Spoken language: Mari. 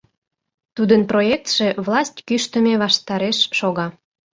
Тудын проектше власть кӱштымӧ ваштареш шога.